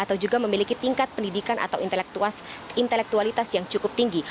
atau juga memiliki tingkat pendidikan atau intelektualitas yang cukup tinggi